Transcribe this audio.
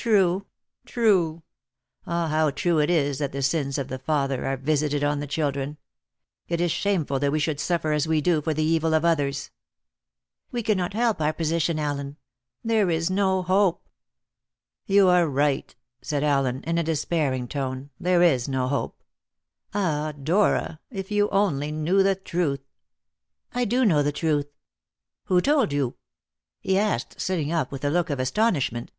"True, true; ah, how true it is that the sins of the father are visited on the children! It is shameful that we should suffer as we do for the evil of others." "We cannot help our position, Allen. There is no hope." "You are right," said Allen in a despairing tone; "there is no hope. Ah, Dora, if you only knew the truth!" "I do know the truth." "Who told you?" he asked, sitting up with a look of astonishment.